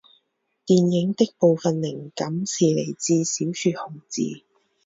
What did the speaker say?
电影的部份灵感是来自小说红字。